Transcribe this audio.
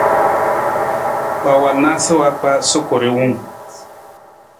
Wa wal naasa wa kpa sukuri wung.